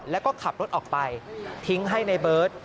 แล้วก็ขับรถออกไปทิ้งให้ในเบิร์ต